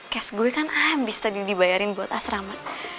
cash gue kan habis tadi dibayarin buat asrama